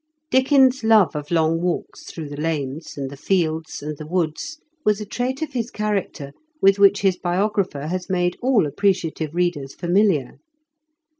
Dickens's love of long walks through the lanes, and the fields, and the woods was a trait of his character with which his biographer has made all appreciative readers familiar.